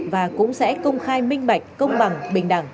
và cũng sẽ công khai minh bạch công bằng bình đẳng